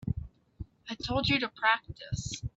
I told you to practice.